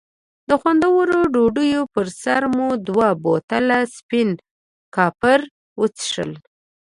د خوندورې ډوډۍ پر سر مو دوه بوتله سپین کاپري وڅښل.